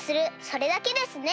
それだけですね！